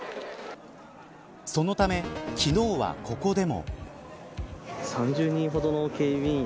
そのため、昨日はここでも。